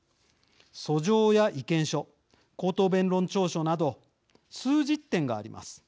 訴状や意見書口頭弁論調書など数十点があります。